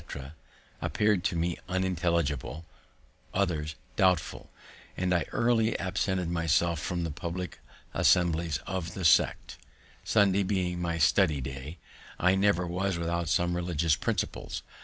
_, appeared to me unintelligible, others doubtful, and I early absented myself from the public assemblies of the sect, Sunday being my studying day, I never was without some religious principles.